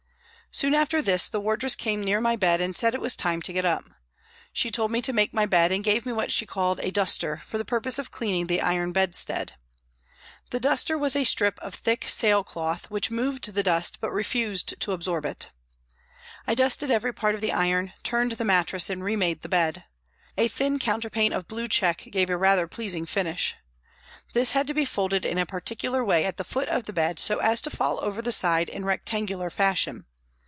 Soon after this the wardress came near my bed and said it was time to get up. She told me to make my bed and gave me what she called a duster for the purpose of cleaning the iron bedstead. The duster was a strip of thick sail cloth, which moved the dust but refused to absorb it. I dusted every part of the iron, turned the mattresses and re made the bed. A thin counterpane of blue check gave a rather pleasing finish. This had to be folded in a particular way at the foot of the bed so as to fall over the side in rectangular fashion.